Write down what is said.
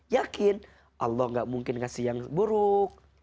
yakin allah gak mungkin ngasih yang buruk